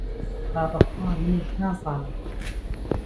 ها، بە خوا منیش نازانم!